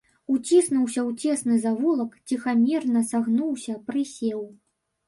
Уціснуўся ў цесны завулак, ціхамірна сагнуўся, прысеў.